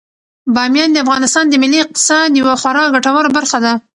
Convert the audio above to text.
بامیان د افغانستان د ملي اقتصاد یوه خورا ګټوره برخه ده.